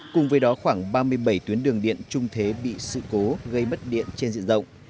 cùng với đó khoảng ba mươi bảy tuyến đường điện trung thế bị sự cố gây mất điện trên diện rộng